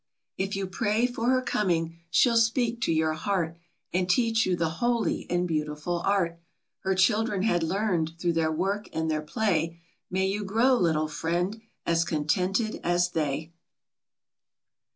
ANNIE S TEMPTATION. 57 If you pray for her coming, she'll speak to your heart, And teach you the holy and beautiful art, Her children had learned through their work and their play ; May you grow, little friend, as contented as they.